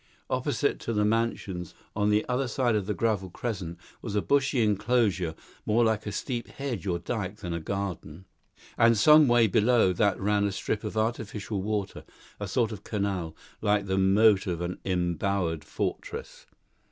Opposite to the mansions, on the other side of the gravel crescent, was a bushy enclosure more like a steep hedge or dyke than a garden, and some way below that ran a strip of artificial water, a sort of canal, like the moat of that embowered fortress.